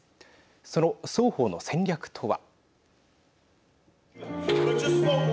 その双方の戦略とは。